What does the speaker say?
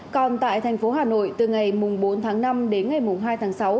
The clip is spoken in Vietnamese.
còn tại tp hcm từ ngày bốn tháng năm đến ngày hai tháng sáu